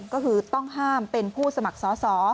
ก็คือต้องห้ามเป็นผู้สมัครสอสอ